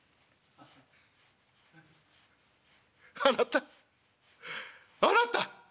「『あなたあなた！